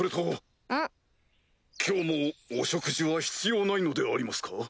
今日もお食事は必要ないのでありますか？